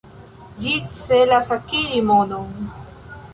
Ĝi celas akiri monon.